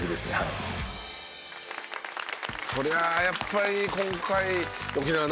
そりゃあやっぱり今回。